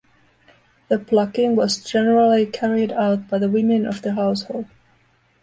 The plucking was generally carried out by the women of the household.